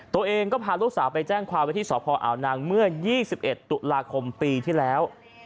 ตัวเองก็พาลูกสาวไปแจ้งความว่าที่สพอาวนางเมื่อ๒๑ตุลาคมปีที่แล้ว